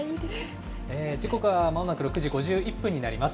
時刻はまもなく６時５１分になります。